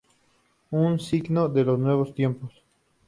Un signo de los nuevos tiempos.